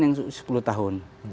yang sepuluh tahun